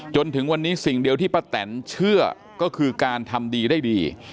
จนถึงวันนี้สิ่งเดียวที่ป้าแตนเชื่อก็คือการทำดีได้ดี